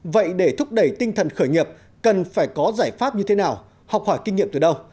vậy để thúc đẩy tinh thần khởi nghiệp cần phải có giải pháp như thế nào học hỏi kinh nghiệm từ đâu